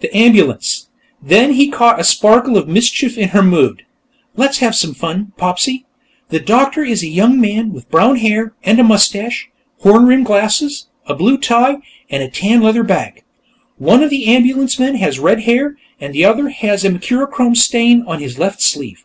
"The ambulance." Then he caught a sparkle of mischief in her mood. "Let's have some fun, Popsy! The doctor is a young man, with brown hair and a mustache, horn rimmed glasses, a blue tie and a tan leather bag. One of the ambulance men has red hair, and the other has a mercurochrome stain on his left sleeve.